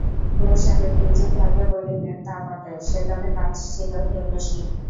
খুড়াসাহেব কিঞ্চিৎ ভাবিয়া বলিলেন, তা বটে, সেকালে কাজ ছিল ঢের বেশি।